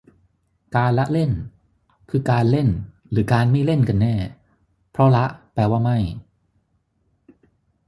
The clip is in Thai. การละเล่น คือการเล่นหรือการไม่เล่นกันแน่ เพราะละแปลว่าไม่